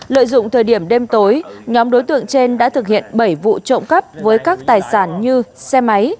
lợi dụng thời điểm đêm tối nhóm đối tượng trên đã thực hiện bảy vụ trộm cắp với các tài sản như xe máy